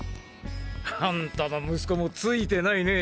あんたの息子もツイてないねぇ。